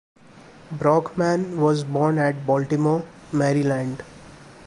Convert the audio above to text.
Brockman was born at Baltimore, Maryland.